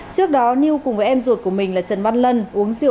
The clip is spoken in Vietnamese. trước đó nhi cùng với em ruột của mình là trần văn lân uống rượu